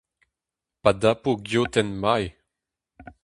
Pa dapo geotenn Mae.